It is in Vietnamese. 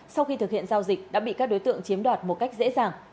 sau khi thực hiện giao dịch đã bị các đối tượng chiếm đoạt một cách dễ dàng